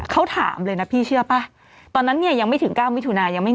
เขาถามเลยนะพี่เชื่อป่ะตอนนั้นเนี่ยยังไม่ถึง๙มิถุนายังไม่มี